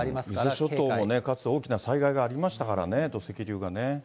伊豆諸島もかつて大きな災害がありましたからね、土石流がね。